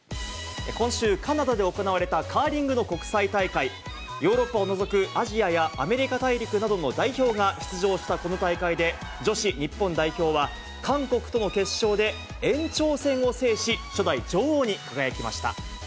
今週、カナダで行われたカーリングの国際大会、ヨーロッパを除くアジアやアメリカ大陸などの代表が出場したこの大会で、女子日本代表は韓国との決勝で延長戦を制し、初代女王に輝きました。